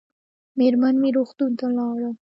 مېرمن مې روغتون ته ولاړه